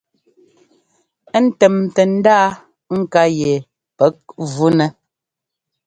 Ńtɛ́mtɛ ndaa ŋká yɛ pɛ́k vunɛ.